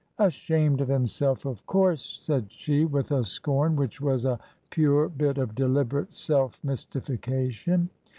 "Ashamed of himself, of course," said she, with a scorn which was a pure bit of deliberate self mystifica tion.